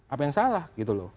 apa yang salah gitu loh